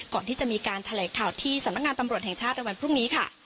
ก่อนที่จะมีการธะเลข่าวที่สำนักงานตำรุ่นแหลนชาติตอนนี้ค่ะ